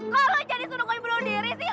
kok lo jadi suruh gue bunuh diri sih